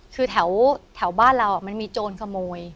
คือแถวบ้านเรามันมีโจรขโมย